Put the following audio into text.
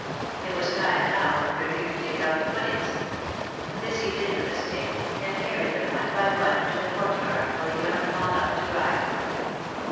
It was time now for Quenu to take out the puddings. This he did with a stick, and carried them one by one into the court yard, where he hung them all up to dry.